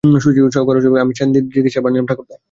শশী কড়াসুরে বলিল, আমি সেনদিদির চিকিৎসার ভার নিলাম ঠাকুরদা।